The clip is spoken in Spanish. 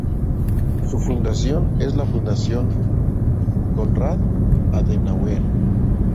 Su fundación es la Fundación Konrad Adenauer.